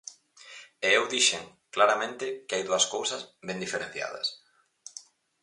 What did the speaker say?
E eu dixen claramente que hai dúas cousas ben diferenciadas.